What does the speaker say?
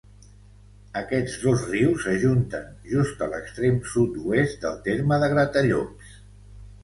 Aquests dos rius s'ajunten just a l'extrem sud-oest del terme de Gratallops.